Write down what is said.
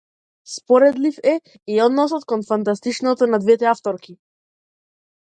Споредлив е и односот кон фантастичното на двете авторки.